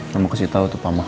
kamu kasih tau tuh pak mah